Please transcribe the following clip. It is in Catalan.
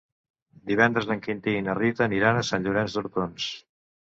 Divendres en Quintí i na Rita aniran a Sant Llorenç d'Hortons.